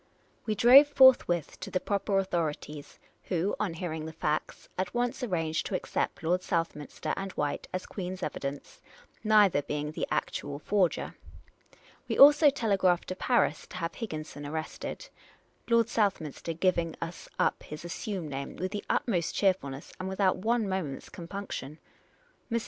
We drove forthwith to the proper authorities, who, on hearing the facts, at once arranged to accept Lord South minster and White as Queen's evidence, neither being the ac tual forger. We also telegraphed to Paris to have Higginson arrested, Lord vSouthminster giving us up his assumed name with the utmost cheerfulness, and without one moment's compunction. Mr.